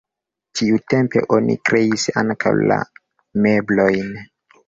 Tiutempe oni kreis ankaŭ la meblojn.